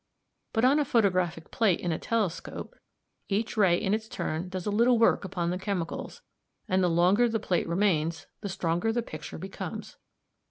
But on a photographic plate in a telescope, each ray in its turn does a little work upon the chemicals, and the longer the plate remains, the stronger the picture becomes.